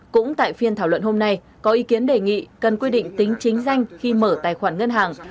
cũng tại phiên thảo luận hôm nay có ý kiến đề nghị cần quy định tính chính danh khi mở tài khoản ngân hàng